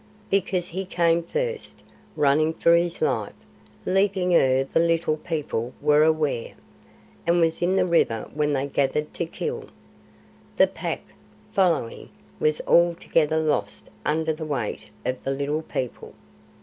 "Because he came first, running for his life, leaping ere the Little People were aware, and was in the river when they gathered to kill. The Pack, following, was altogether lost under the weight of the Little People."